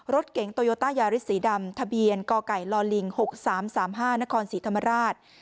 รถเก๋งโตโยต้ายาริสสีดำทะเบียนก่อไก่ลอลิงหกสามสามห้านครสีธรรมราช